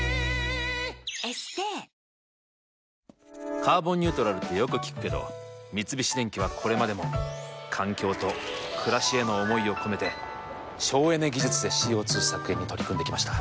「カーボンニュートラル」ってよく聞くけど三菱電機はこれまでも環境と暮らしへの思いを込めて省エネ技術でＣＯ２削減に取り組んできました。